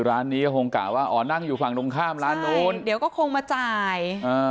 ร้านนี้ก็คงกะว่าอ๋อนั่งอยู่ฝั่งตรงข้ามร้านนู้นเดี๋ยวก็คงมาจ่ายอ่า